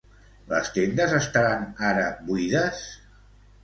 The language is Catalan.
Les tendes estaran ara buides?